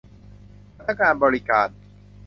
พนักงานบริการ